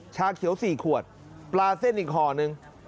ชาเขียว๔ขวดปลาเส้นอีกห่อนึง